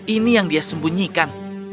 ini yang dia sembunyikan